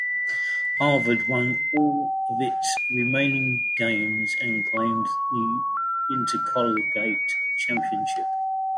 Harvard won all of its remaining games and claimed the intercollegiate championship.